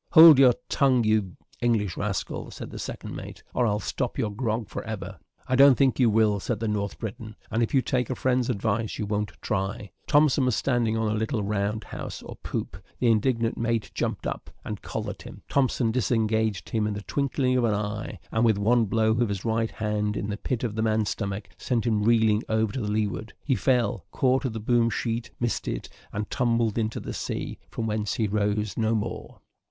"Hold your tongue, you d d English rascal," said the second mate, "or I'll stop your grog for ever." "I don't think you will," said the North Briton, "and if you take a friend's advice, you won't try." Thompson was standing on the little round house or poop; the indignant mate jumped up, and collared him. Thompson disengaged him in the twinkling of an eye, and with one blow of his right hand in the pit of the man's stomach, sent him reeling over to leeward. He fell caught at the boom sheet missed it, and tumbled into the sea, from whence he rose no more.